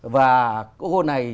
và cô này